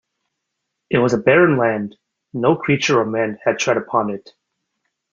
It was a barren land, no creature or man had tread upon it.